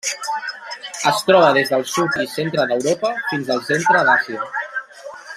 Es troba des del sud i centre d'Europa fins al centre d'Àsia.